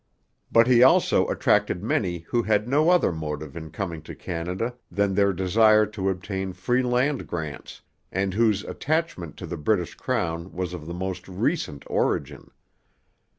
But he also attracted many who had no other motive in coming to Canada than their desire to obtain free land grants, and whose attachment to the British crown was of the most recent origin.